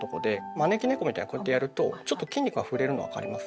招き猫みたいにこうやってやるとちょっと筋肉が触れるの分かります？